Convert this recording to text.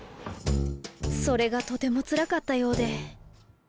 それがとてもつらかったようで。